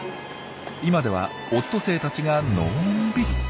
今ではオットセイたちがのんびり。